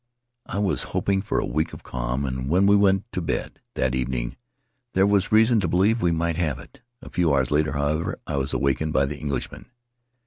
I was hoping for a week of calm, and when we went to bed that evening there was reason to believe we might have it. A few hours later, however, I was awakened by the Englishman.